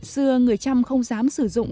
xưa người trăm không dám sử dụng